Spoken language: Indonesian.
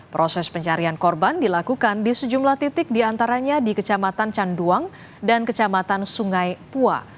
proses pencarian korban dilakukan di sejumlah titik diantaranya di kecamatan canduang dan kecamatan sungai pua